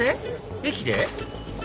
駅で？